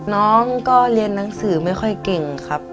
น้องก็เรียนหนังสือไม่ค่อยเก่งครับ